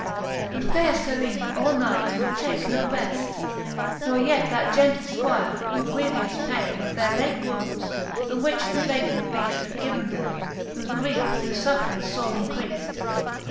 But faire Serene all night could take no reft, Ne yet that gentle Squire, for grievous paine Of their late woundes, the which the Blatant Beaft Had given them, whofe griefe through fuifraunce fore increaft, XL.